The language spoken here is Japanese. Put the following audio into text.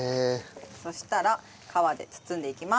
そしたら皮で包んでいきます。